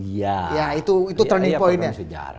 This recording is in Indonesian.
ya ya itu turning point nya